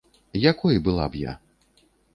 Якой была б я?